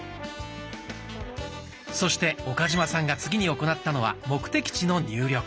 そして岡嶋さんが次に行ったのは目的地の入力。